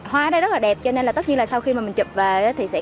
hoa đây rất đẹp cho nên sau khi mình chụp về